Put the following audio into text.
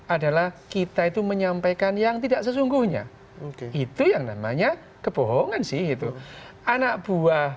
adalah kita itu menyampaikan yang tidak sesungguhnya oke itu yang namanya kebohongan sih itu anak buah